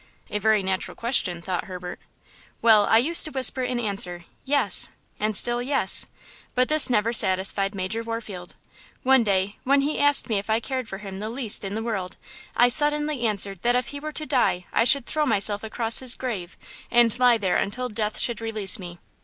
"A very natural question," thought Herbert. "Well, I used to whisper in answer, 'Yes,' and still 'Yes.' But this never satisfied Major Warfield. One day, when he asked me if I cared for him the least in the world, I suddenly answered that if he were to die I should throw myself across his grave and lie there until death should release me!